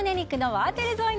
ワーテルゾイ！